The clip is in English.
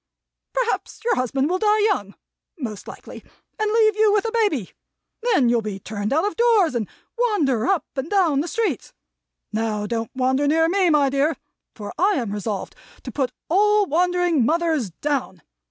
Perhaps your husband will die young (most likely) and leave you with a baby. Then you'll be turned out of doors, and wander up and down the streets. Now don't wander near me, my dear, for I am resolved to Put all wandering mothers Down.